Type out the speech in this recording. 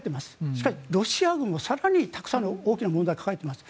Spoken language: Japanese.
しかし、ロシア軍も更にたくさんの大きな問題を抱えています。